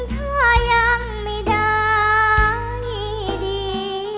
ถ้ายังไม่ได้ดี